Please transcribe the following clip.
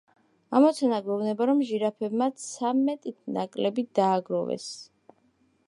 ამოცანა გვეუბნება, რომ ჟირაფებმა ცამეტით ნაკლები დააგროვეს.